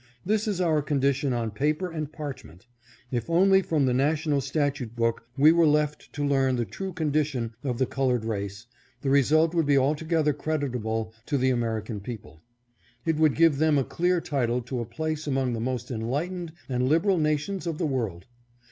This is our condi tion on paper and parchment. If only from the national statute book we were left to learn the true condition of the colored race, the result would be altogether creditable to the American people. It would give them a clear title to a place among the most enlightened and liberal nations of the world.